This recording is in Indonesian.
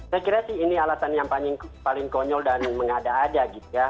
saya kira sih ini alasan yang paling konyol dan mengada ada gitu ya